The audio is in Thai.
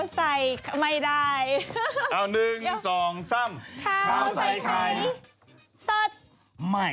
สวัสดีครับชาวใส่ไม่ได้